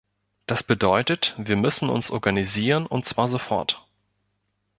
Das bedeutet, wir müssen uns organisieren und zwar sofort.